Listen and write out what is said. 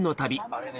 あれね